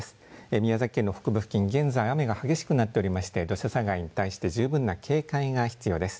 宮崎県の北部付近、現在雨が激しくなっておりまして土砂災害に対して十分な警戒が必要です。